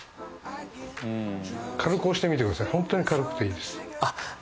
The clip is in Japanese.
軽く押してみてくださいホントに軽くていいです